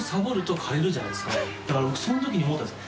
だから僕そのときに思ったんです。